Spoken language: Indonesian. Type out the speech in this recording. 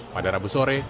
pada rabu sore